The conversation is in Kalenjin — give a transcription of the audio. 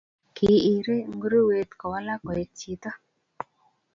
Kiiri nguruwet kowalak koek chito